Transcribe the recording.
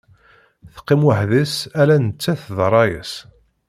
Teqqim weḥd-s ala nettat d rray-is.